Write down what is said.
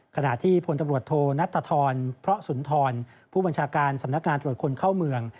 ขณะที่พลตำรวจโทนัตรทรพระสุนทรผู้บัญชาการสำนักงานตรวจคนเข้าเมือง